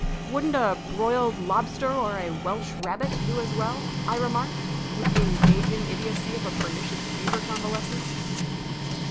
"Wouldn't a broiled lobster or a Welsh rabbit do as well?" I remarked, with the engaging idiocy of a pernicious fever convalescent.